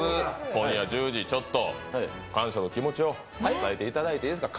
今夜１０時、感謝の気持ちを伝えていただいていいですか？